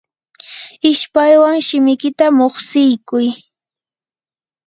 ishpaywan shimikita muqstikuy.